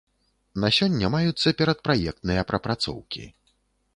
На сёння маюцца перадпраектныя прапрацоўкі.